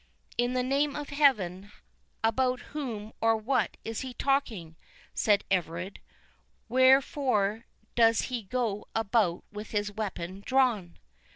"In the name of Heaven, about whom or what is he talking" said Everard; "wherefore does he go about with his weapon drawn?"